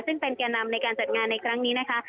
ซึ่งเป็นแก่นำในการจัดงานในครั้งนี้นะคะ